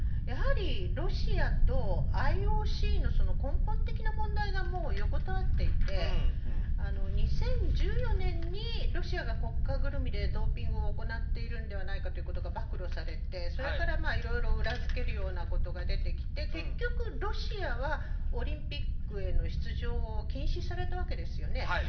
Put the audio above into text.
やはり、ロシアとＩＯＣの根本的な問題が横たわっていて２０１４年にロシアが国家ぐるみでドーピングを行っているのではないかということが暴露されてそれからいろいろ裏付けるようなことが出てきて結局、ロシアはオリンピックへの出場を禁止されたわけですよね。